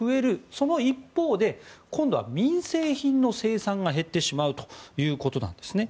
その一方で今度は民生品の生産が減ってしまうということなんですね。